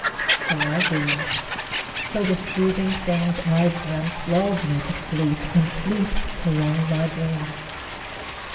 So gazed I, till the soothing things, I dreamt, Lulled me to sleep, and sleep prolonged my dreams!